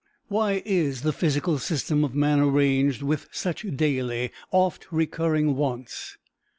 Why is the physical system of man arranged with such daily, oft recurring wants?